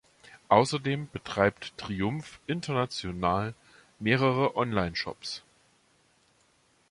Außerdem betreibt Triumph International mehrere Onlineshops.